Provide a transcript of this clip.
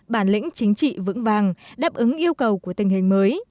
bản lĩnh chính trị vững vàng đáp ứng yêu cầu của tình hình mới